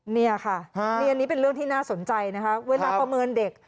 นี่ค่ะนี่อันนี้เป็นเรื่องที่น่าสนใจนะคะเวลาประเมินเด็ก